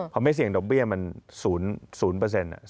พอไม่เสี่ยงดอกเบี้ยมัน๐